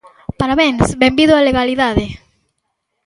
¡Parabéns!, benvido á legalidade.